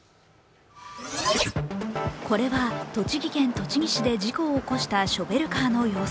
これは栃木県栃木市で事故を起こしたショベルカーの様子。